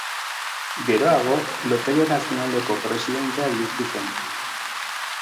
Geroago loteria nazionaleko presidentea bihurtu zen.